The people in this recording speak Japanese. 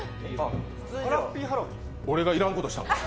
俺がいらんことした？